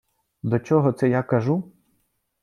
До чого це я кажу?